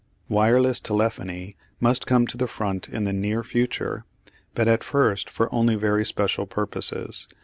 Wireless telephony must come to the front in the near future, but at first for only very special purposes.